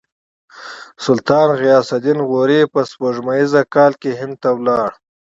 سلطان غیاث الدین غوري په سپوږمیز کال کې هند ته ولاړ.